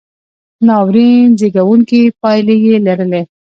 ناورین زېږوونکې پایلې یې لرلې.